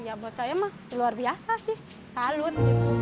ya buat saya mah luar biasa sih salut